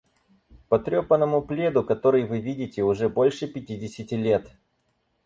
Потрёпанному пледу, который вы видите, уже больше пятидесяти лет.